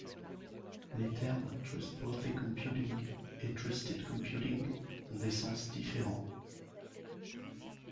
Les termes Trustworthy Computing et Trusted Computing ont des sens différents.